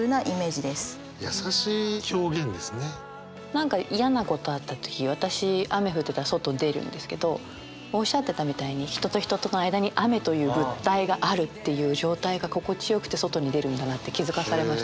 何か嫌なことあった日私雨降ってたら外出るんですけどおっしゃってたみたいに人と人との間に雨という物体があるっていう状態が心地よくて外に出るんだなって気付かされました。